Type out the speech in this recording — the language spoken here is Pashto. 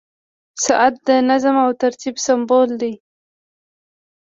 • ساعت د نظم او ترتیب سمبول دی.